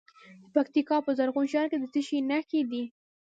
د پکتیکا په زرغون شهر کې د څه شي نښې دي؟